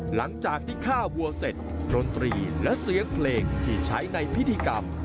หลังจากที่ฆ่าวัวเสร็จดนตรีและเสียงเพลงที่ใช้ในพิธีกรรม